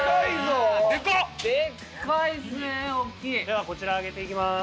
ではこちら揚げていきます。